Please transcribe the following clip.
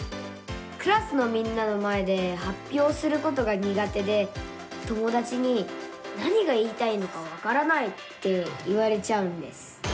クラスのみんなの前ではっぴょうすることがにが手で友だちに「何が言いたいのかわからない」って言われちゃうんです。